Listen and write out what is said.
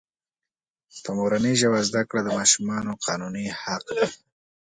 په مورنۍ ژبه زده کړه دماشومانو قانوني حق دی.